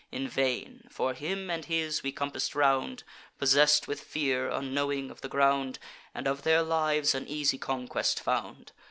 In vain; for him and his we compass'd round, Possess'd with fear, unknowing of the ground, And of their lives an easy conquest found.